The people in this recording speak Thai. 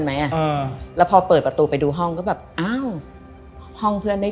บรรดายหนีไฟ